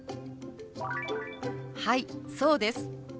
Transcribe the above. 「はいそうです」。